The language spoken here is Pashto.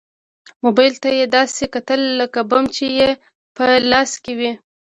موبايل ته يې داسې کتل لکه بم چې يې په لاس کې وي.